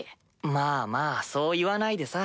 まぁまぁそう言わないでさ。